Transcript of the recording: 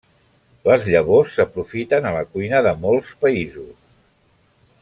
Les llavors s'aprofiten a la cuina de molts països.